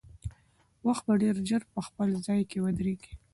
وخت به ډېر ژر په خپل ځای کې ودرېږي.